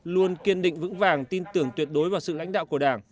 luôn kiên định vững vàng tin tưởng tuyệt đối vào sự lãnh đạo của đảng